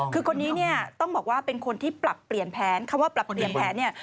คือคนนี้เนี่ยต้องบอกว่าเป็นคนที่ปรับเปลี่ยนแผนคำว่าปรับเปลี่ยนแผนเนี่ย